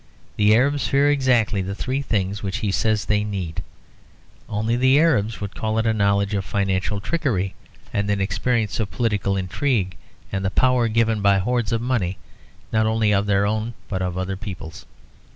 The Arabs fear exactly the three things which he says they need. Only the Arabs would call it a knowledge of financial trickery and an experience of political intrigue, and the power given by hoards of money not only of their own but of other peoples.